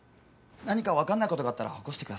何か分かんないことがあったら起こしてください。